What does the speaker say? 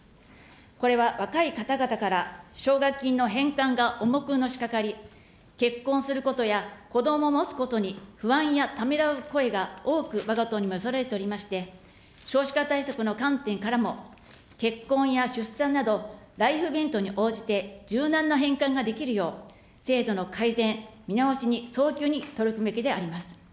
これは若い方々から奨学金の返還が重くのしかかり、結婚することやこどもを持つことに不安やためらう声が多くわが党にも寄せられておりまして、少子化対策の観点からも、結婚や出産など、ライフイベントに応じて、柔軟な返還ができるよう、制度の改善、見直しに早急に取り組むべきであります。